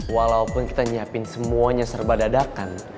walaupun kita nyiapin semuanya serba dadakan